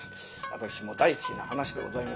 私も大好きな噺でございます。